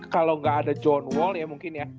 kalau nggak ada john wall ya mungkin ya